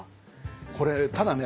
これただね